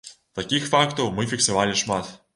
Такіх фактаў мы фіксавалі шмат.